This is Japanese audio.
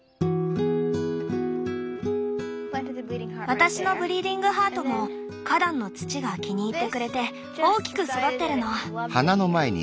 私のブリーディングハートも花壇の土が気に入ってくれて大きく育ってるの。